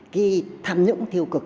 cái tham nhũng tiêu cực